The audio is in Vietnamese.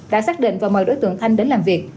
đã xác định và mời đối tượng thanh đến làm việc